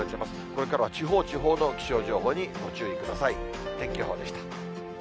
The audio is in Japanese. これからは地方、地方の気象情報にご注意ください。